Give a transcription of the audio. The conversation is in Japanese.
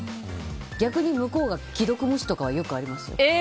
逆に向こうが既読無視とかはよくありますよ。